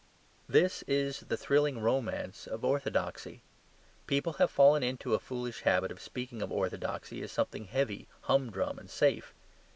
This is the thrilling romance of Orthodoxy. People have fallen into a foolish habit of speaking of orthodoxy as something heavy, humdrum, and safe.